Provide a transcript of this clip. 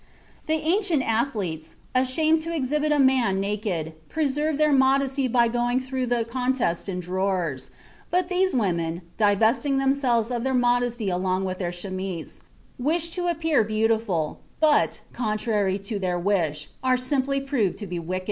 The ancient athletes, ashamed to exhibit a man naked, preserved their modesty by going through the contest in drawers; but these women, divesting themselves of their modesty along with their chemise, wish to appear beautiful, but, contrary to their wish, are simply proved to be wicked."